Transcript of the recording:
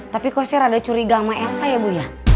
tapi kok saya rada curiga sama elsa ya bu ya